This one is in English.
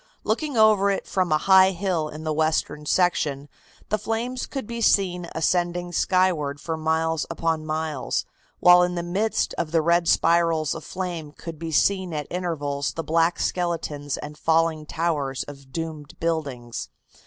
Looking over it from a high hill in the western section, the flames could be seen ascending skyward for miles upon miles, while in the midst of the red spirals of flame could be seen at intervals the black skeletons and falling towers of doomed buildings.